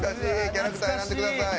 キャラクター選んでください。